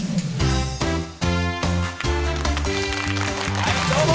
はいどうも。